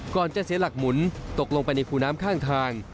จะเสียหลักหมุนตกลงไปในคูน้ำข้างทาง